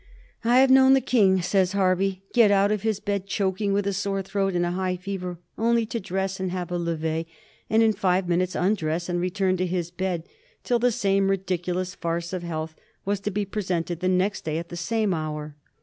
" I have known the King," says Hervey, " get out of his bed choking with a sore throat, and in a high fever, only to dress and have a lev6e, and in five minutes undress and return to his bed till the same ridiculous farce of health was to be presented the next day &t the same hour."